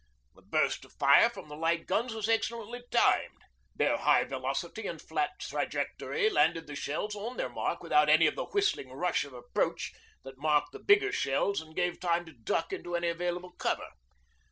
The burst of fire from the light guns was excellently timed. Their high velocity and flat trajectory landed the shells on their mark without any of the whistling rush of approach that marked the bigger shells and gave time to duck into any available cover.